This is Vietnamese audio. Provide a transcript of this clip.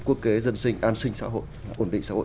quốc kế dân sinh an sinh xã hội ổn định xã hội